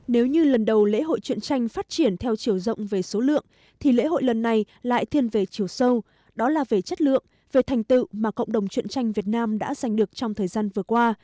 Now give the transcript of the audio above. nếu như lần đầu lễ hội truyện tranh phát triển theo chiều rộng về số lượng thì lễ hội lần này lại thiên về chiều sâu đó là về chất lượng về thành tựu mà cộng đồng chuyện tranh việt nam đã giành được trong thời gian vừa qua